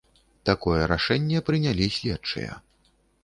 Такое рашэнне прынялі следчыя.